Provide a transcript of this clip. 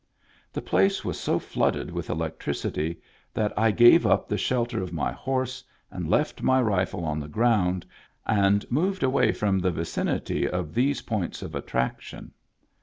The place was so flooded with electricity that I gave up the shelter of my horse, and left my rifle on the ground and moved away from the vicinity of these points of attraction.